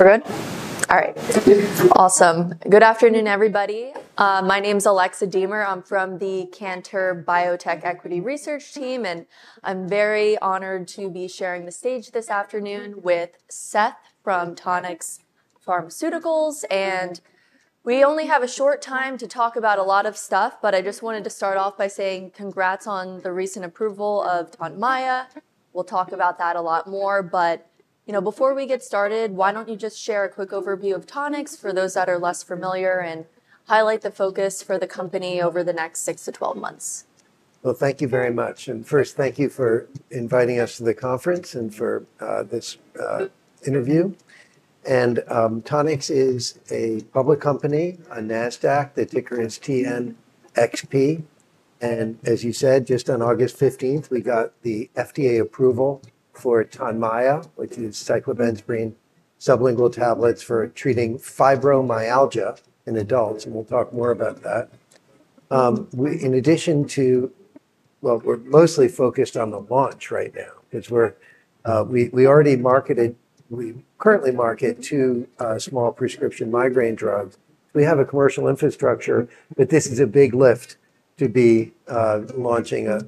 All right. Awesome. Good afternoon, everybody. My name is Alexa Diemer. I'm from the Cantor Biotech Equity Research Team, and I'm very honored to be sharing the stage this afternoon with Seth from Tonix Pharmaceuticals. We only have a short time to talk about a lot of stuff, but I just wanted to start off by saying congrats on the recent approval of Tonmya. We'll talk about that a lot more. Before we get started, why don't you just share a quick overview of Tonix for those that are less familiar and highlight the focus for the company over the next six to 12 months? Thank you very much. First, thank you for inviting us to the conference and for this interview. Tonix is a public company on NASDAQ. The ticker is TNXP. As you said, just on August 15, we got the FDA approval for Tonmya, which is cyclobenzaprine sublingual tablets for treating fibromyalgia in adults. We'll talk more about that. In addition to that, we're mostly focused on the launch right now because we already market, we currently market two small prescription migraine drugs. We have a commercial infrastructure, but this is a big lift to be launching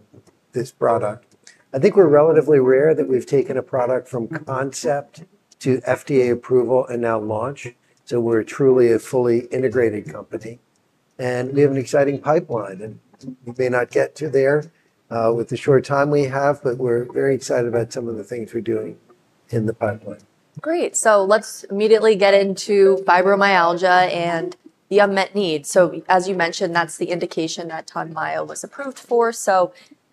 this product. I think we're relatively rare in that we've taken a product from concept to FDA approval and now launch. We're truly a fully integrated company. We have an exciting pipeline, and we may not get to that with the short time we have, but we're very excited about some of the things we're doing in the pipeline. Great. Let's immediately get into fibromyalgia and the unmet needs. As you mentioned, that's the indication that Tonmya was approved for.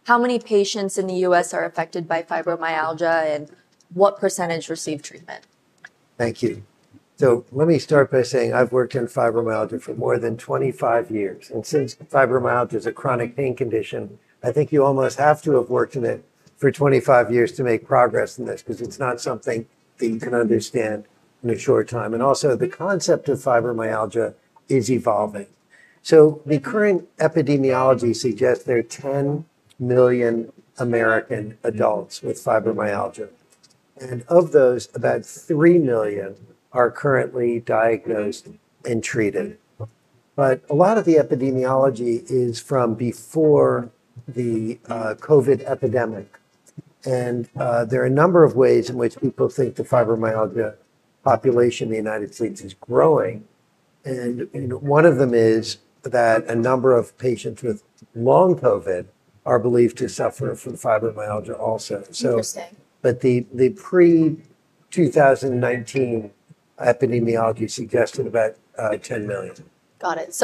How many patients in the U.S. are affected by fibromyalgia and what percentage receive treatment? Thank you. Let me start by saying I've worked in fibromyalgia for more than 25 years. Since fibromyalgia is a chronic pain condition, I think you almost have to have worked in it for 25 years to make progress in this because it's not something that you can understand in a short time. The concept of fibromyalgia is evolving. The current epidemiology suggests there are 10 million American adults with fibromyalgia, and of those, about 3 million are currently diagnosed and treated. A lot of the epidemiology is from before the COVID epidemic. There are a number of ways in which people think the fibromyalgia population in the United States is growing. One of them is that a number of patients with long COVID are believed to suffer from fibromyalgia also. Interesting. The pre-2019 epidemiology suggested about 10 million. Got it.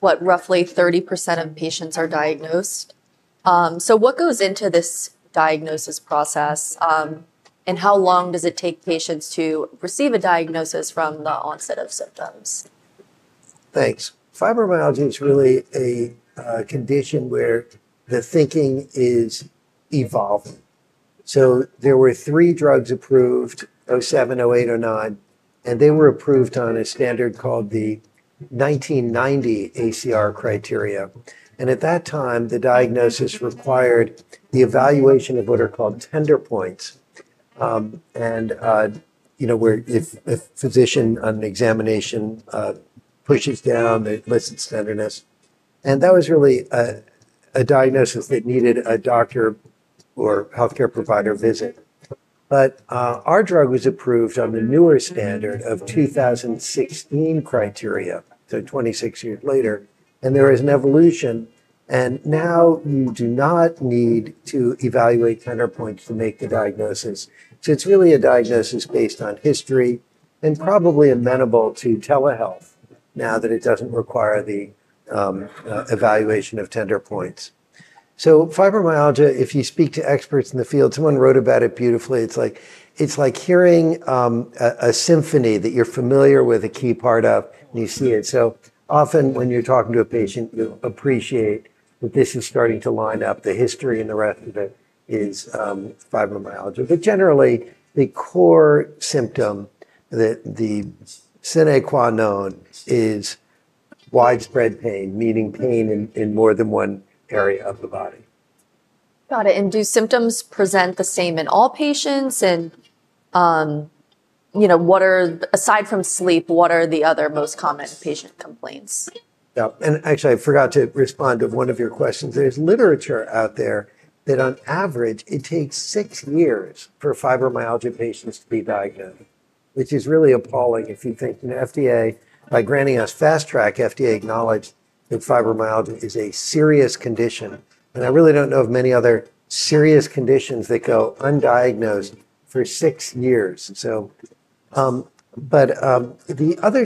What, roughly 30% of the patients are diagnosed? What goes into this diagnosis process, and how long does it take patients to receive a diagnosis from the onset of symptoms? Thanks. Fibromyalgia is really a condition where the thinking is evolving. There were three drugs approved: 2007, 2008, 2009. They were approved on a standard called the 1990 ACR criteria. At that time, the diagnosis required the evaluation of what are called tender points. If a physician on an examination pushes down, they listen to tenderness. That was really a diagnosis that needed a doctor or health care provider visit. Our drug was approved on the newer standard of 2016 criteria, 26 years later. There is an evolution. Now you do not need to evaluate tender points to make the diagnosis. It is really a diagnosis based on history and probably amenable to telehealth now that it does not require the evaluation of tender points. Fibromyalgia, if you speak to experts in the field, someone wrote about it beautifully. It is like hearing a symphony that you are familiar with a key part of, and you see it. Often when you are talking to a patient, you appreciate that this is starting to line up. The history and the rest of it is fibromyalgia. Generally, the core symptom, the sine qua non, is widespread pain, meaning pain in more than one area of the body. Got it. Do symptoms present the same in all patients? Aside from sleep, what are the other most common patient complaints? Yeah. Actually, I forgot to respond to one of your questions. There's literature out there that on average, it takes six years for fibromyalgia patients to be diagnosed, which is really appalling if you think the FDA, by granting us fast track, FDA acknowledged that fibromyalgia is a serious condition. I really don't know of many other serious conditions that go undiagnosed for six years. The other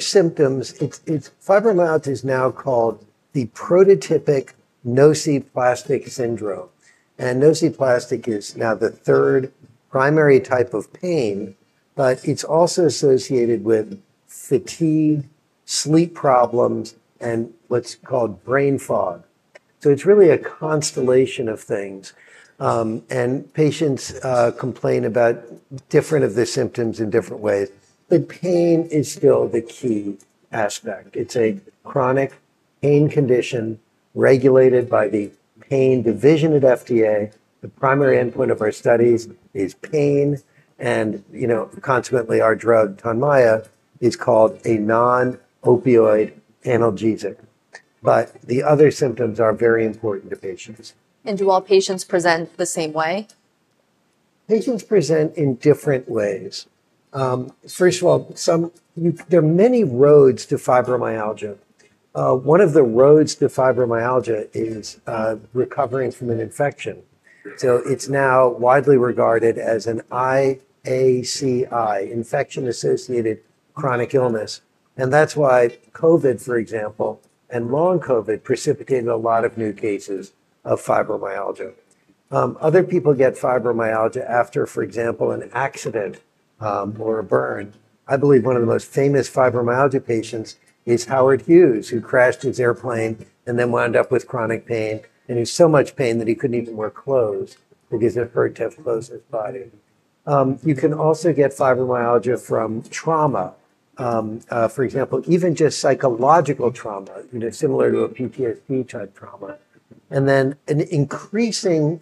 symptoms, fibromyalgia is now called the prototypic nociplastic syndrome. Nociplastic is now the third primary type of pain, but it's also associated with fatigue, sleep problems, and what's called brain fog. It's really a constellation of things. Patients complain about different of the symptoms in different ways. Pain is still the key aspect. It's a chronic pain condition regulated by the pain division at FDA. The primary endpoint of our studies is pain. Consequently, our drug, Tonmya, is called a non-opioid analgesic. The other symptoms are very important to patients. Do all patients present the same way? Patients present in different ways. First of all, there are many roads to fibromyalgia. One of the roads to fibromyalgia is recovering from an infection. It's now widely regarded as an IACI, infection-associated chronic illness. That's why COVID, for example, and long COVID precipitated a lot of new cases of fibromyalgia. Other people get fibromyalgia after, for example, an accident or a burn. I believe one of the most famous fibromyalgia patients is Howard Hughes, who crashed his airplane and then wound up with chronic pain. It was so much pain that he couldn't even wear clothes because it hurt to have clothes on his body. You can also get fibromyalgia from trauma. For example, even just psychological trauma, similar to a PTSD-type trauma. An increasing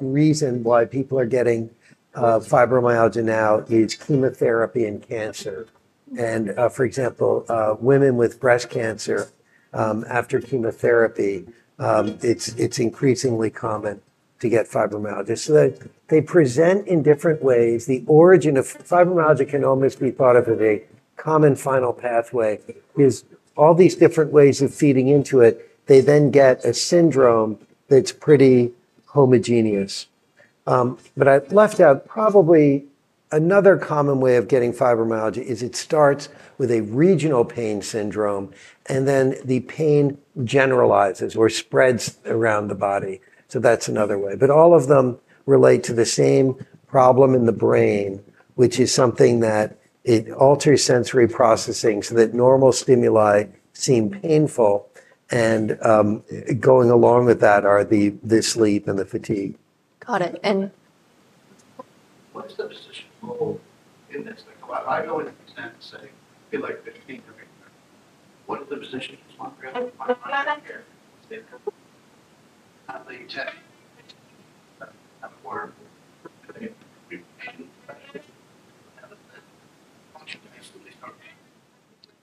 reason why people are getting fibromyalgia now is chemotherapy and cancer. For example, women with breast cancer after chemotherapy, it's increasingly common to get fibromyalgia. They present in different ways. The origin of fibromyalgia can almost be thought of as a common final pathway. It's all these different ways of feeding into it. They then get a syndrome that's pretty homogeneous. I left out probably another common way of getting fibromyalgia: it starts with a regional pain syndrome, and then the pain generalizes or spreads around the body. That's another way. All of them relate to the same problem in the brain, which is something that alters sensory processing so that normal stimuli seem painful. Going along with that are the sleep and the fatigue. Got it.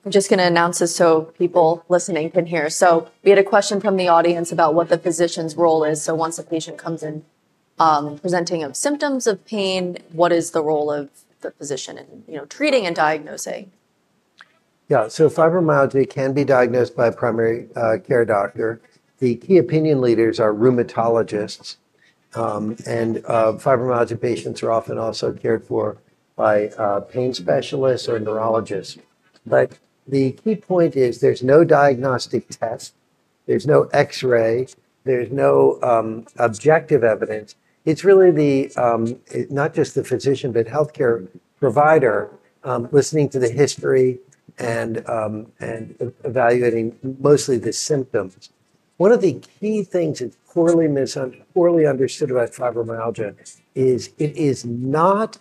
I'm just going to announce this so people listening can hear. We had a question from the audience about what the physician's role is. Once a patient comes in presenting with symptoms of pain, what is the role of the physician in treating and diagnosing? Yeah. Fibromyalgia can be diagnosed by a primary care doctor. The key opinion leaders are rheumatologists. Fibromyalgia patients are often also cared for by pain specialists or neurologists. The key point is there's no diagnostic test. There's no X-ray. There's no objective evidence. It's really not just the physician, but health care provider listening to the history and evaluating mostly the symptoms. One of the key things that's poorly understood about fibromyalgia is it is not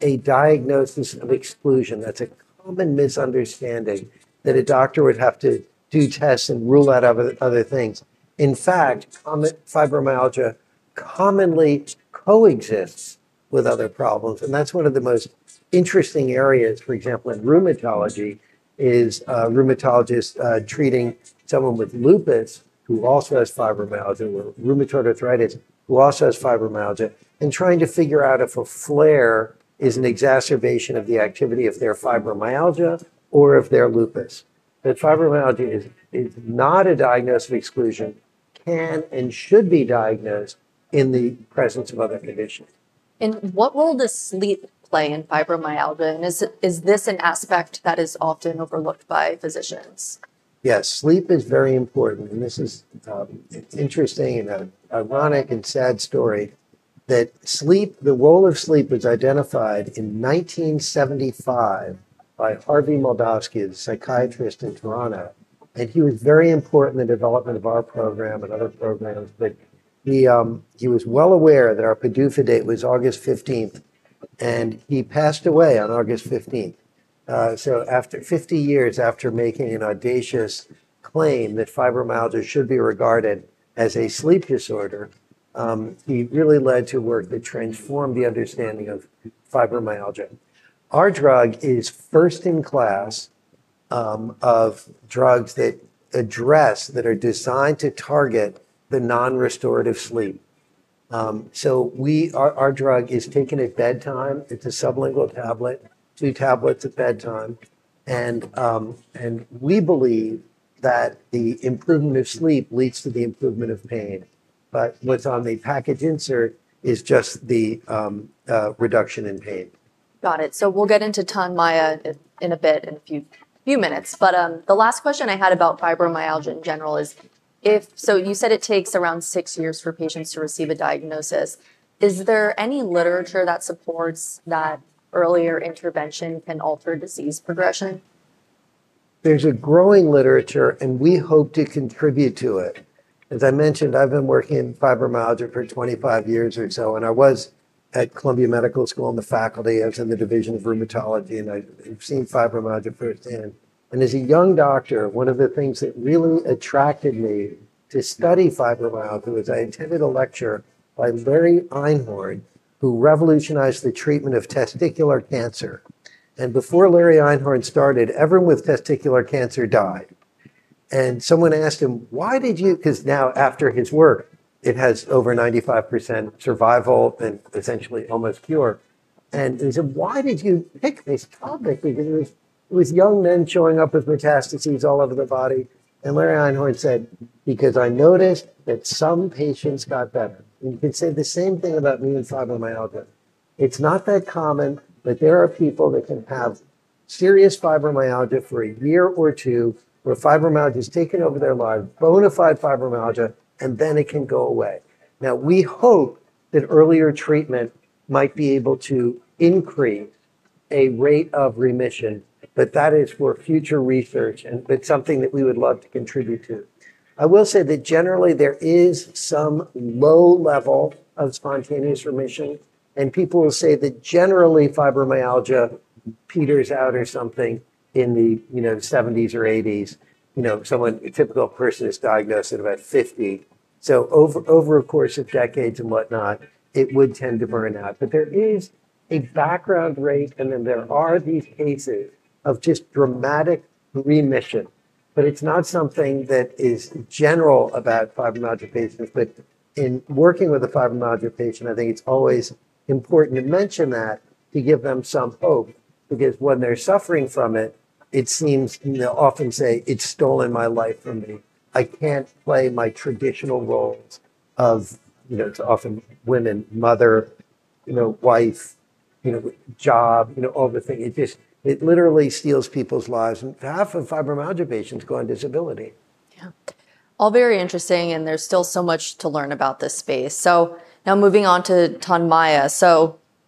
a diagnosis of exclusion. That's a common misunderstanding that a doctor would have to do tests and rule out other things. In fact, fibromyalgia commonly co-exists with other problems. That's one of the most interesting areas, for example, in rheumatology, with rheumatologists treating someone with lupus who also has fibromyalgia or rheumatoid arthritis who also has fibromyalgia and trying to figure out if a flare is an exacerbation of the activity of their fibromyalgia or of their lupus. Fibromyalgia is not a diagnosis of exclusion. It can and should be diagnosed in the presence of other conditions. What role does sleep play in fibromyalgia? Is this an aspect that is often overlooked by physicians? Yes, sleep is very important. This is an interesting, ironic, and sad story that the role of sleep was identified in 1975 by Harvey Moldofsky, a psychiatrist in Toronto. He was very important in the development of our program and other programs. He was well aware that our PDUFA date was August 15th. He passed away on August 15. Fifty years after making an audacious claim that fibromyalgia should be regarded as a sleep disorder, he really led to work that transformed the understanding of fibromyalgia. Our drug is first in class of drugs that are designed to target the non-restorative sleep. Our drug is taken at bedtime. It's a sublingual tablet, two tablets at bedtime. We believe that the improvement of sleep leads to the improvement of pain. What's on the package insert is just the reduction in pain. Got it. We'll get into Tonmya in a bit, in a few minutes. The last question I had about fibromyalgia in general is, you said it takes around six years for patients to receive a diagnosis. Is there any literature that supports that earlier intervention can alter disease progression? There's a growing literature, and we hope to contribute to it. As I mentioned, I've been working in fibromyalgia for 25 years or so. I was at Columbia Medical School on the faculty. I was in the Division of Rheumatology. I've seen fibromyalgia firsthand. As a young doctor, one of the things that really attracted me to study fibromyalgia was I attended a lecture by Larry Einhorn, who revolutionized the treatment of testicular cancer. Before Larry Einhorn started, everyone with testicular cancer died. Someone asked him, "Why did you?" Because now, after his work, it has over 95% survival and essentially almost cure. He said, "Why did you pick this topic?" Because it was young men showing up with metastases all over the body. Larry Einhorn said, "Because I noticed that some patients got better." You can say the same thing about me with fibromyalgia. It's not that common, but there are people that can have serious fibromyalgia for a year or two where fibromyalgia has taken over their lives, bona fide fibromyalgia, and then it can go away. We hope that earlier treatment might be able to increase a rate of remission. That is for future research, and it's something that we would love to contribute to. I will say that generally, there is some low level of spontaneous remission. People will say that generally, fibromyalgia peters out or something in the 70s or 80s. You know, a typical person is diagnosed at about 50. Over a course of decades and whatnot, it would tend to burn out. There is a background rate, and then there are these cases of just dramatic remission. It's not something that is general about fibromyalgia patients. In working with a fibromyalgia patient, I think it's always important to mention that to give them some hope. When they're suffering from it, it seems, and they'll often say, "It's stolen my life from me. I can't play my traditional roles of, you know, it's often women, mother, you know, wife, you know, job, you know, all the things." It literally steals people's lives. Half of fibromyalgia patients go on disability. All very interesting. There's still so much to learn about this space. Now moving on to Tonmya.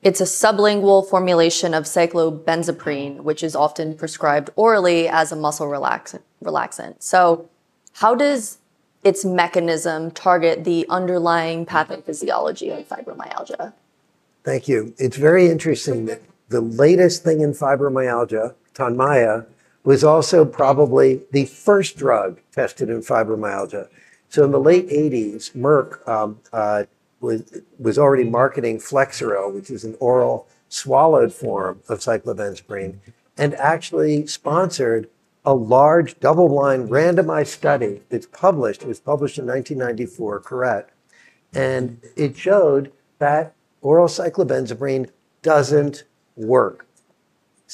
It's a sublingual formulation of cyclobenzaprine, which is often prescribed orally as a muscle relaxant. How does its mechanism target the underlying pathophysiology of fibromyalgia? Thank you. It's very interesting that the latest thing in fibromyalgia, Tonmya, was also probably the first drug tested in fibromyalgia. In the late 1980s, Merck was already marketing Flexeril, which is an oral swallowed form of cyclobenzaprine, and actually sponsored a large double-blind randomized study that's published. It was published in 1994, correct? It showed that oral cyclobenzaprine doesn't work.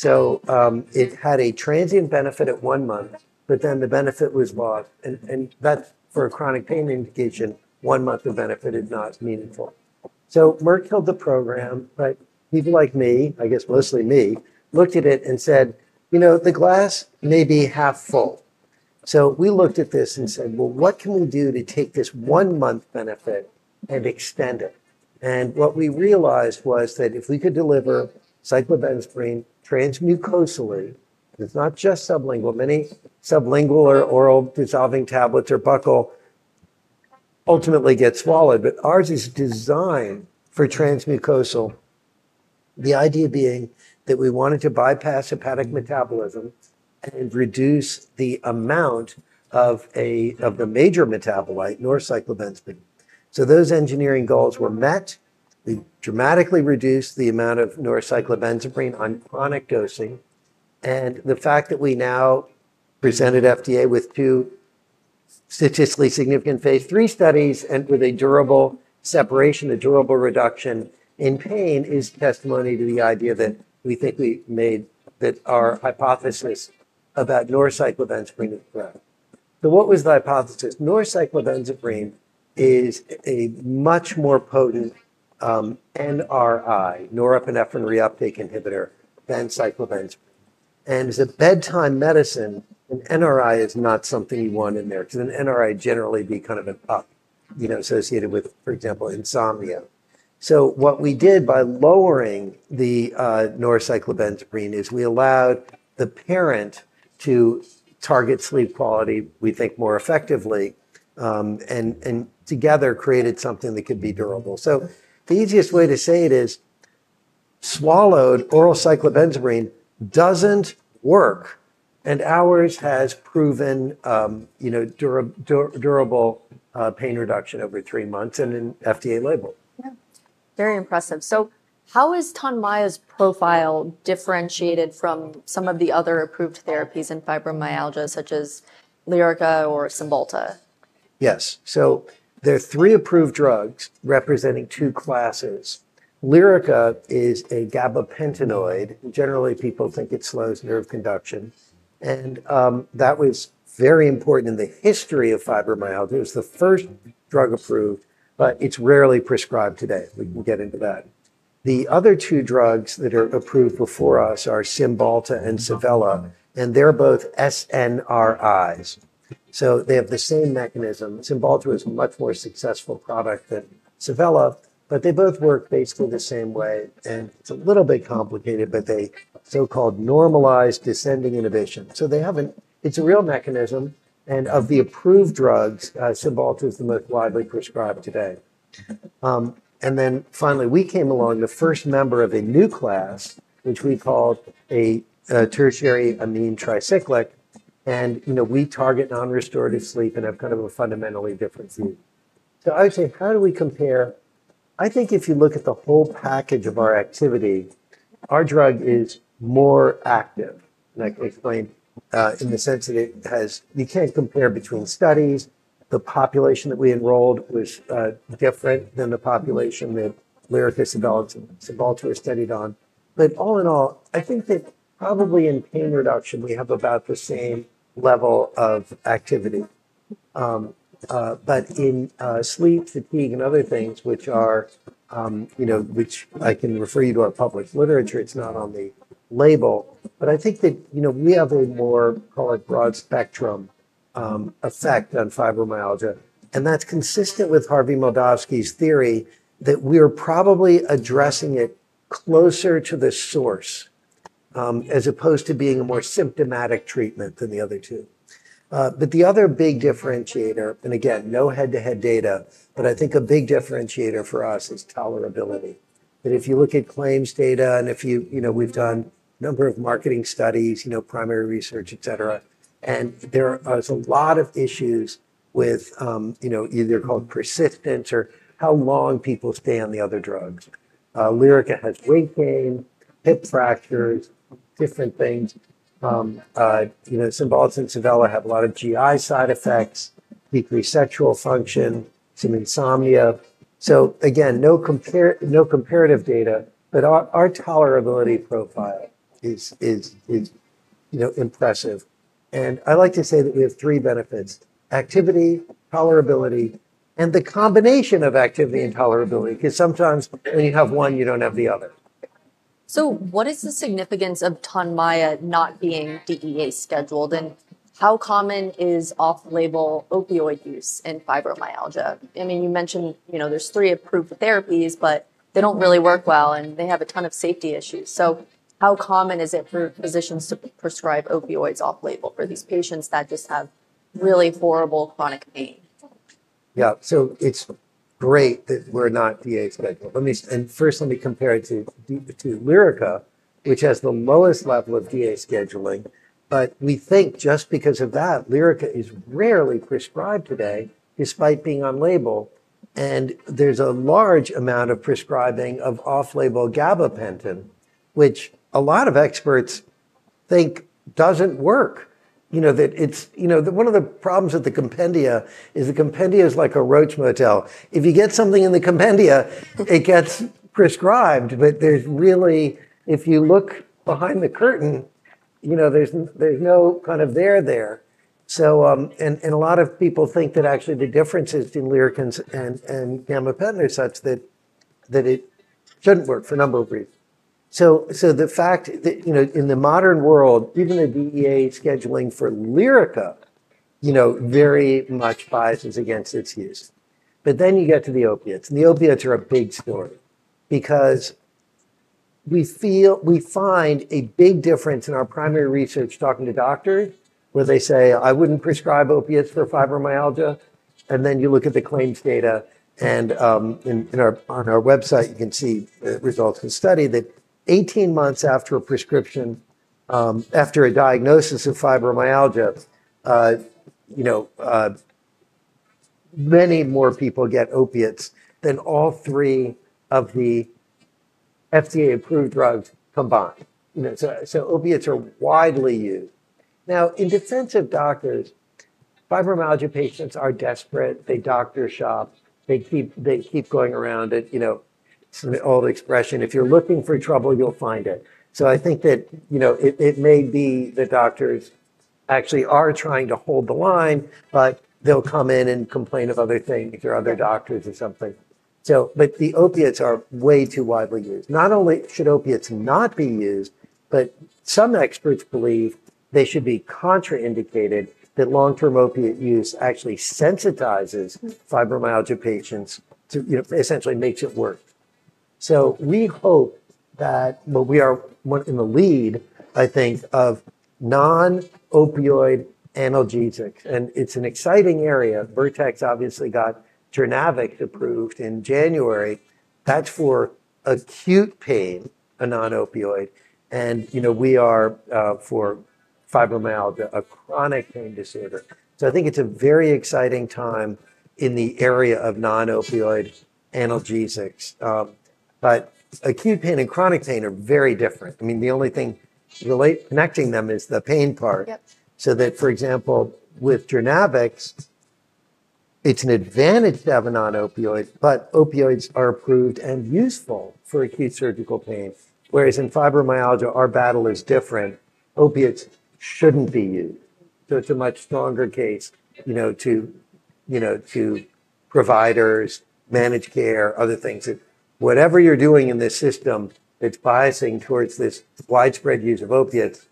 It had a transient benefit at one month, but then the benefit was lost. For a chronic pain medication, one month of benefit is not meaningful. Merck killed the program. People like me, I guess mostly me, looked at it and said, you know, the glass may be half full. We looked at this and said, what can we do to take this one-month benefit and extend it? We realized that if we could deliver cyclobenzaprine transmucosally, it's not just sublingual. Many sublingual or oral dissolving tablets or buccal ultimately get swallowed. Ours is designed for transmucosal, the idea being that we wanted to bypass hepatic metabolism and reduce the amount of the major metabolite, norcyclobenzaprine. Those engineering goals were met. We dramatically reduced the amount of norcyclobenzaprine on chronic dosing. The fact that we now presented FDA with two statistically significant phase III studies and with a durable separation, a durable reduction in pain is testimony to the idea that we think we made that our hypothesis about norcyclobenzaprine is correct. What was the hypothesis? Norcyclobenzaprine is a much more potent NRI, norepinephrine reuptake inhibitor, than cyclobenzaprine. As a bedtime medicine, NRI is not something you want in there because an NRI generally be kind of associated with, for example, insomnia. What we did by lowering the norcyclobenzaprine is we allowed the parent to target sleep quality, we think, more effectively, and together created something that could be durable. The easiest way to say it is swallowed oral cyclobenzaprine doesn't work. Ours has proven durable pain reduction over three months and an FDA label. Very impressive. How is Tonmya's profile differentiated from some of the other approved therapies in fibromyalgia, such as Lyrica or Cymbalta? Yes. There are three approved drugs representing two classes. Lyrica is a gabapentinoid. Generally, people think it slows nerve conduction. That was very important in the history of fibromyalgia. It was the first drug approved, but it's rarely prescribed today. We can get into that. The other two drugs that are approved before us are Cymbalta and Savella. They're both SNRIs, so they have the same mechanism. Cymbalta was a much more successful product than Savella, but they both work basically the same way. It's a little bit complicated, but they so-called normalize descending inhibition. It's a real mechanism. Of the approved drugs, Cymbalta is the most widely prescribed today. Finally, we came along as the first member of a new class, which we called a tertiary amine tricyclic. We target non-restorative sleep and have kind of a fundamentally different view. I would say, how do we compare? I think if you look at the whole package of our activity, our drug is more active. I explain in the sense that you can't compare between studies. The population that we enrolled was different than the population that Lyrica, [Savella, and Cymbalta] were studied on. All in all, I think that probably in pain reduction, we have about the same level of activity. In sleep, fatigue, and other things, which I can refer you to our published literature, it's not on the label. I think that we have a more, call it, broad spectrum effect on fibromyalgia. That's consistent with Harvey Moldofsky's theory that we're probably addressing it closer to the source as opposed to being a more symptomatic treatment than the other two. The other big differentiator, and again, no head-to-head data, but I think a big differentiator for us is tolerability. If you look at claims data and if you, we've done a number of marketing studies, primary research, et cetera, there are a lot of issues with either called persistence or how long people stay on the other drugs. Lyrica has weight gain, hip fractures, different things. Cymbalta and Savella have a lot of GI side effects, decreased sexual function, some insomnia. Again, no comparative data, but our tolerability profile is impressive. I like to say that we have three benefits: activity, tolerability, and the combination of activity and tolerability. Sometimes when you have one, you don't have the other. What is the significance of Tonmya not being DEA scheduled? How common is off-label opioid use in fibromyalgia? You mentioned there's three approved therapies, but they don't really work well, and they have a ton of safety issues. How common is it for physicians to prescribe opioids off-label for these patients that just have really horrible chronic pain? Yeah. It's great that we're not DEA scheduled. First, let me compare it to Lyrica, which has the lowest level of DEA scheduling. We think just because of that, Lyrica is rarely prescribed today despite being on-label. There's a large amount of prescribing of off-label gabapentin, which a lot of experts think doesn't work. One of the problems with the compendia is the compendia is like a roach motel. If you get something in the compendia, it gets prescribed. If you look behind the curtain, there's no kind of there there. A lot of people think that actually the differences in Lyrica and gabapentin are such that it shouldn't work for a number of reasons. The fact that, in the modern world, even the DEA scheduling for Lyrica very much biases against its use. You get to the opiates. The opiates are a big story because we find a big difference in our primary research talking to doctors where they say, "I wouldn't prescribe opiates for fibromyalgia." You look at the claims data. On our website, you can see the results of the study that 18 months after a diagnosis of fibromyalgia, many more people get opiates than all three of the FDA-approved drugs combined. Opiates are widely used. In defense of doctors, fibromyalgia patients are desperate. They doctor shop. They keep going around it. It's an old expression. If you're looking for trouble, you'll find it. It may be that doctors actually are trying to hold the line, but they'll come in and complain of other things or other doctors or something. The opiates are way too widely used. Not only should opiates not be used, but some experts believe they should be contraindicated, that long-term opiate use actually sensitizes fibromyalgia patients to, essentially makes it worse. We hope that we are in the lead, I think, of non-opioid analgesics. It's an exciting area. Vertex obviously got Journavx approved in January. That's for acute pain, a non-opioid. We are for fibromyalgia, a chronic pain disorder. I think it's a very exciting time in the area of non-opioid analgesics. Acute pain and chronic pain are very different. The only thing connecting them is the pain part. For example, with Journavx, it's an advantage to have a non-opioid. Opioids are approved and useful for acute surgical pain. In fibromyalgia, our battle is different. Opiates shouldn't be used. It's a much stronger case to providers, managed care, other things that whatever you're doing in this system that's biasing towards this widespread use of opiates,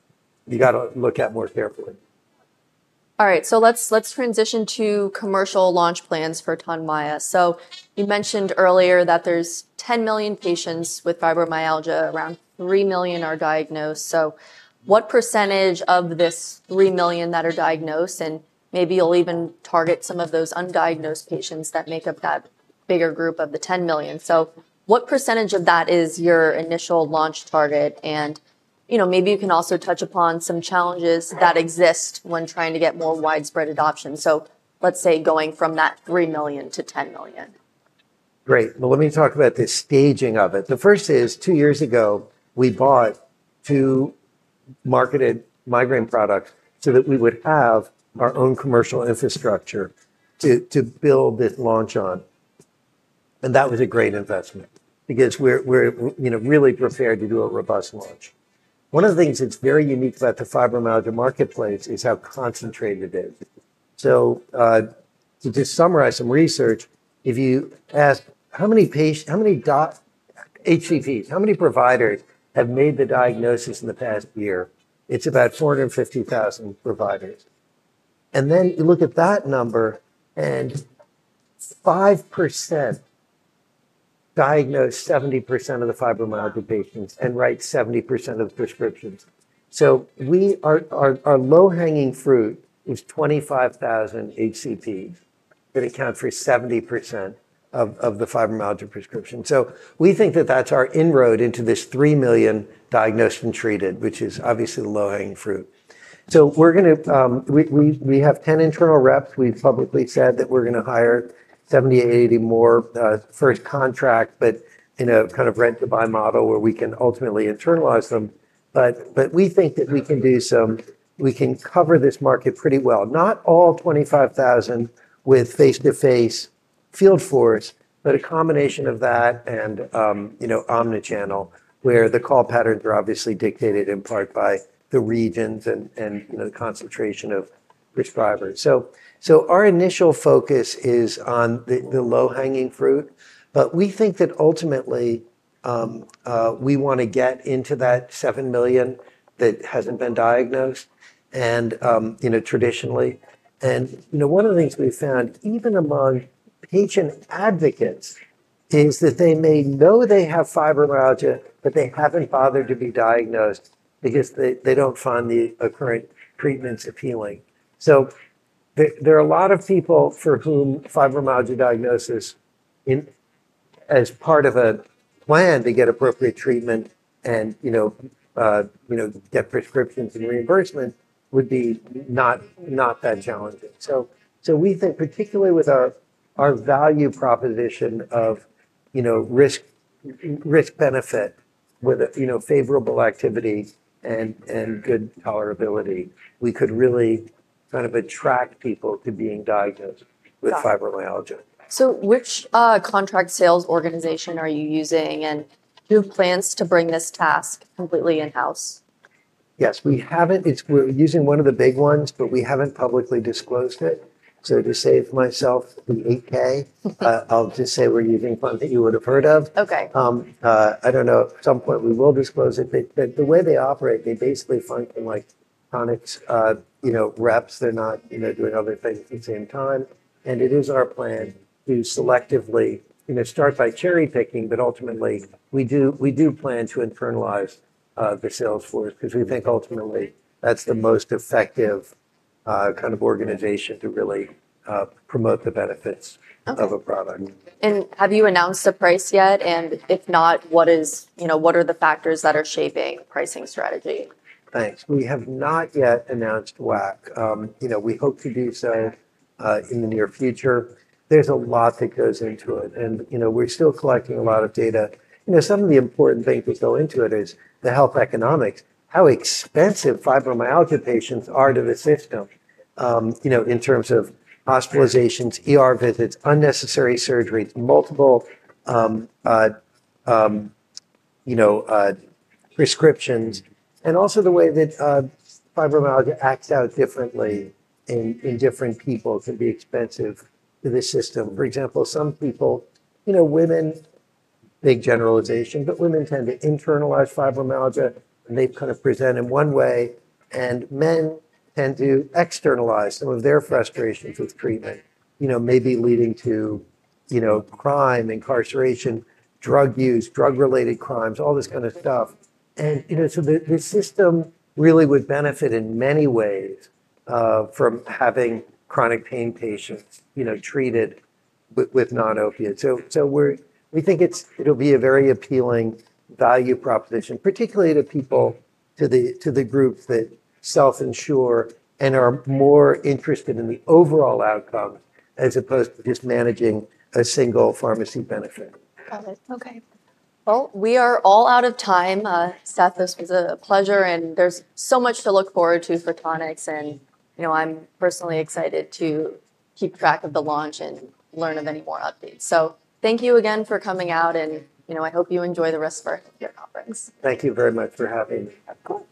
you got to look at more carefully. All right. Let's transition to commercial launch plans for Tonmya. You mentioned earlier that there's 10 million patients with fibromyalgia. Around 3 million are diagnosed. What percentage of this 3 million that are diagnosed, and maybe you'll even target some of those undiagnosed patients that make up that bigger group of the 10 million. What percentage of that is your initial launch target? Maybe you can also touch upon some challenges that exist when trying to get more widespread adoption, going from that 3 million to 10 million. Great. Let me talk about the staging of it. The first is two years ago, we bought two marketed migraine products so that we would have our own commercial infrastructure to build this launch on. That was a great investment because we're really prepared to do a robust launch. One of the things that's very unique about the fibromyalgia marketplace is how concentrated it is. To just summarize some research, if you ask how many HCPs, how many providers have made the diagnosis in the past year, it's about 450,000 providers. You look at that number and 5% diagnose 70% of the fibromyalgia patients and write 70% of the prescriptions. Our low-hanging fruit is 25,000 HCPs that account for 70% of the fibromyalgia prescription. We think that that's our inroad into this 3 million diagnosed and treated, which is obviously the low-hanging fruit. We're going to, we have 10 internal reps. We've publicly said that we're going to hire 70, 80 more first contract, but in a kind of rent-to-buy model where we can ultimately internalize them. We think that we can do some, we can cover this market pretty well. Not all 25,000 with face-to-face field force, but a combination of that and, you know, omnichannel where the call patterns are obviously dictated in part by the regions and, you know, the concentration of prescribers. Our initial focus is on the low-hanging fruit. We think that ultimately, we want to get into that 7 million that hasn't been diagnosed and, you know, traditionally. One of the things we've found even among patient advocates is that they may know they have fibromyalgia, but they haven't bothered to be diagnosed because they don't find the current treatments appealing. There are a lot of people for whom fibromyalgia diagnosis as part of a plan to get appropriate treatment and, you know, get prescriptions and reimbursement would be not that challenging. We think particularly with our value proposition of, you know, risk-benefit with, you know, favorable activity and good tolerability, we could really kind of attract people to being diagnosed with fibromyalgia. Which contract sales organization are you using? Who plans to bring this task completely in-house? Yes, we haven't. We're using one of the big ones, but we haven't publicly disclosed it. To save myself the 8-K, I'll just say we're using one that you would have heard of. OK. I don't know. At some point, we will disclose it. The way they operate, they basically function like Tonix reps. They're not doing all the things at the same time. It is our plan to selectively start by cherry-picking. Ultimately, we do plan to internalize the sales force because we think ultimately that's the most effective kind of organization to really promote the benefits of a product. Have you announced the price yet? If not, what are the factors that are shaping pricing strategy? Thanks. We have not yet announced WAC. We hope to do so in the near future. There's a lot that goes into it. We're still collecting a lot of data. Some of the important things that go into it are the health economics, how expensive fibromyalgia patients are to the system in terms of hospitalizations, ER visits, unnecessary surgeries, multiple prescriptions, and also the way that fibromyalgia acts out differently in different people can be expensive to the system. For example, some people, you know, women, big generalization, but women tend to internalize fibromyalgia. They kind of present in one way. Men tend to externalize some of their frustrations with treatment, maybe leading to crime, incarceration, drug use, drug-related crimes, all this kind of stuff. The system really would benefit in many ways from having chronic pain patients treated with non-opiates. We think it'll be a very appealing value proposition, particularly to people, to the groups that self-insure and are more interested in the overall outcome as opposed to just managing a single pharmacy benefit. Got it. OK, we are all out of time. Seth, this was a pleasure. There's so much to look forward to for Tonix. You know, I'm personally excited to keep track of the launch and learn of any more updates. Thank you again for coming out. You know, I hope you enjoy the rest of your conference. Thank you very much for having me. Of course.